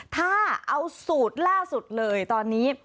ถ้าเอาสูตรล่าสุดเลยตอนนี้